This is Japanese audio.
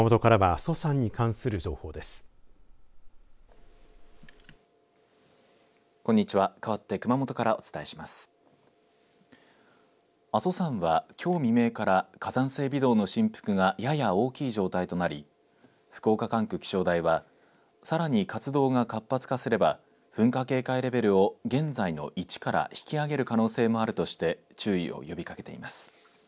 阿蘇山は、きょう未明から火山性微動の振幅がやや大きい状態となり福岡管区気象台はさらに活動が活発化すれば噴火警戒レベルを現在の１から引き上げる可能性もあるとして注意を呼びかけています。